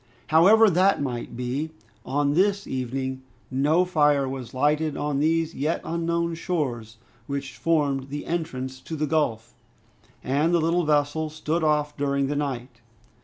However that might be, on this evening no fire was lighted on these yet unknown shores, which formed the entrance to the gulf, and the little vessel stood off during the night.